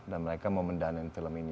dan mereka mau mendanain film ini